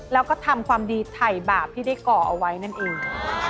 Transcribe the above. แล้วก็ทำความดีไถ่บาปที่ได้ก่อเอาไว้นั่นเอง